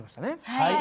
はい。